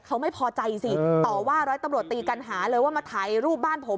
เขาไม่พอใจสิต่อว่าร้อยตำรวจตีกันหาเลยว่ามาถ่ายรูปบ้านผม